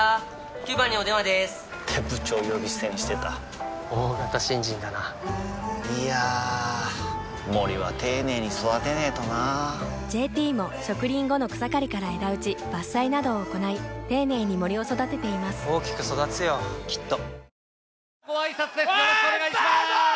９番にお電話でーす！って部長呼び捨てにしてた大型新人だないやー森は丁寧に育てないとな「ＪＴ」も植林後の草刈りから枝打ち伐採などを行い丁寧に森を育てています大きく育つよきっとバモス！